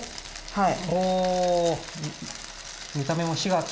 はい。